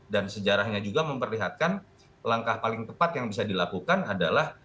dan sejarahnya juga memperlihatkan langkah paling tepat yang bisa dilakukan adalah